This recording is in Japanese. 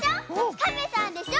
かめさんでしょ